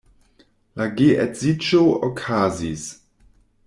La geedziĝo okazis.